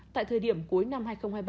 tại thời điểm cuối năm hai nghìn hai mươi ba